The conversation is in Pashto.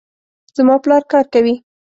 زما پلار کار کوي